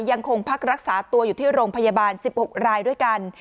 ยังคงพักรักษาตัวอยู่ที่โรงพยาบาล๑๖รายด้วยกัน